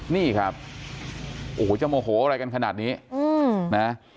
นี่ครับโอ้โหจะโมโหอะไรกันขนาดนี้นะ